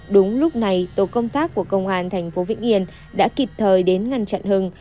đúng lúc này tổ công tác của công an thành phố vĩnh yên đã kịp thời đến ngăn chặn hưng